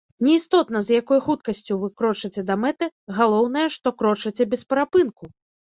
Не істотна, з якой хуткасцю вы крочыце да мэты, галоўнае, што крочыце без перапынку!